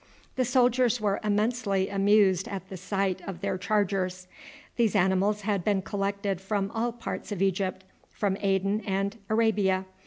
The soldiers were immensely amused at the sight of their chargers. These animals had been collected from all parts of Egypt, from Aden and Arabia.